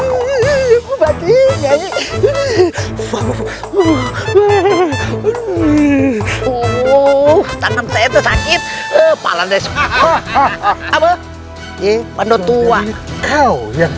ini woi tanam saya tersakit kepala desa hahaha apa ini penduduk tua kau yang